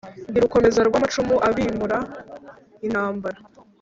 ndi rukomeza rw' amacumu abimbura intambara